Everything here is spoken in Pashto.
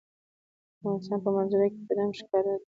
د افغانستان په منظره کې بادام ښکاره ده.